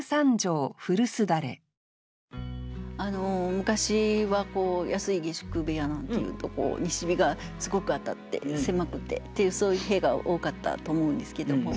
昔は安い下宿部屋なんていうと西日がすごく当たって狭くてっていうそういう部屋が多かったと思うんですけども。